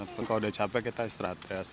kalau udah capek kita istirahat